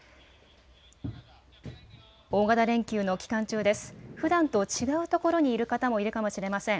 大型連休の期間中です。ふだんと違うところにいる方もいるかもしれません。